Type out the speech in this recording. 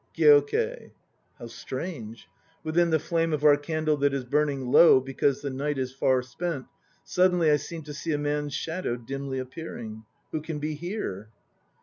GYOKEI. How strange! Within the flame of our candle that is burning low because the night is, far spent, suddenly I seemed to see a man's shadow dimly appearing. Who can be here?